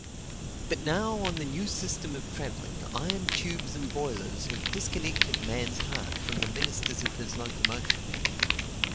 But now, on the new system of travelling, iron tubes and boilers have disconnected man's heart from the ministers of his locomotion.